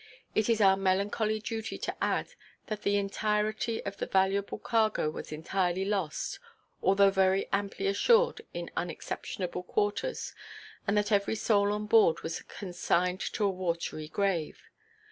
It is our melancholy duty to add that the entirety of the valuable cargo was entirely lost, although very amply assured in unexceptionable quarters, and that every soul on board was consigned to a watery grave.